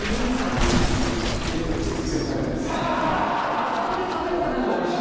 あそこで食べるのがなんかおいしい。